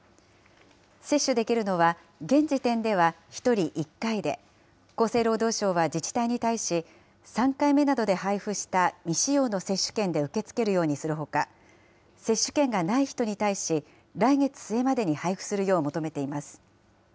接種できるのは、現時点では１人１回で、厚生労働省は自治体に対し、３回目などで配布した未使用の接種券で受け付けるようにするほか、接種券がない人に対し、来月末までに配布するよう求めています。